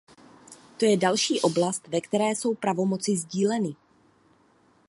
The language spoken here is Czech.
To je další oblast, ve které jsou pravomoci sdíleny.